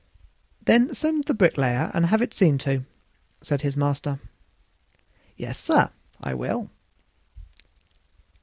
"Then send for the bricklayer and have it seen to," said his master. "Yes, sir, I will."